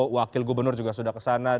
wakil gubernur juga sudah ke sana